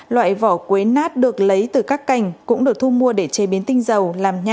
loại vỏ quế nát được lấy từ các cành cũng được thu mua để chế biến tinh dầu